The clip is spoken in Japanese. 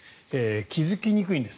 気付きにくいんです。